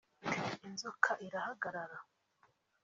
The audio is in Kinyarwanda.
” Inzoka irahagarara